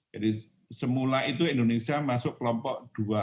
jadi semula itu indonesia masuk kelompok dua